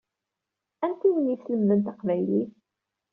Anti i wen-yeslemden taqbaylit?